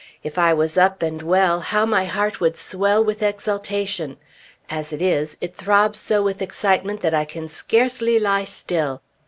If I was up and well, how my heart would swell with exultation. As it is, it throbs so with excitement that I can scarcely lie still.